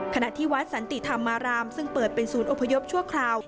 ขณะที่วัดสันติธรรมารามซึ่งเปิดเป็นศูนย์อพยพชั่วคราว